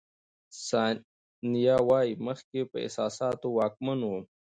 ثانیه وايي، مخکې په احساساتو واکمن وم.